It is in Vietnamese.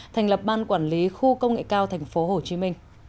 thành lập ban quản lý khu công nghệ cao tp hcm